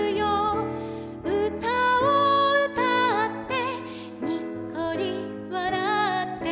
「うたをうたってにっこりわらって」